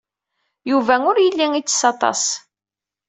Yuba ur yelli ittess aṭas.